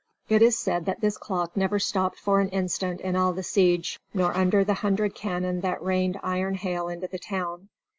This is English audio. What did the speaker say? It is said that this clock never stopped for an instant in all the siege, nor under the hundred cannon that rained iron hail into the town.